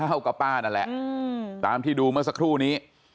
เท่ากับป้านั่นแหละตามที่ดูเมื่อสักครู่นี้